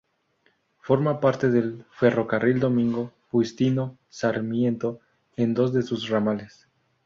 Forma parte del Ferrocarril Domingo Faustino Sarmiento en dos de sus ramales.